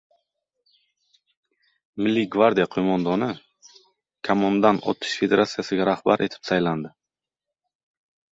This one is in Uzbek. Milliy gvardiya qo‘mondoni Kamondan otish federasiyasiga rahbar etib saylandi